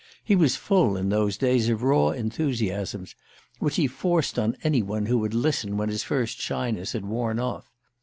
He was full, in those days, of raw enthusiasms, which he forced on any one who would listen when his first shyness had worn off.